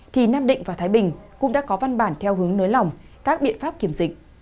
thì nam định và thái bình cũng đã có văn bản theo hướng nới lỏng các biện pháp kiểm dịch